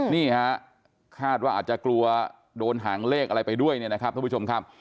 นี่ฮะคาดว่าอาจจะกลัวโดนหางเลขอะไรไปด้วยเนี่ยนะครับทุกผู้ชมครับ